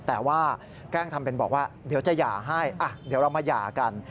แต่ว่าแกล้งทำเป็นบอกว่าเดี๋ยวจะหย่าให้เดี๋ยวเรามาหย่ากัน